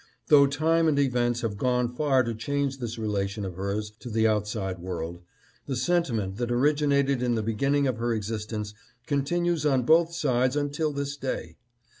Though time and events have gone far to change this relation of hers to the outside world, the sentiment that originated in the beginning of her exist ence continues on both sides until this day.